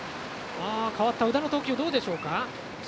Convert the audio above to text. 代わった宇田の投球はどうでしょうか。